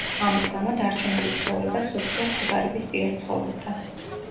ამის გამო, დარჩენილი ცხოვრება სოფია სიღარიბის პირას ცხოვრობდა.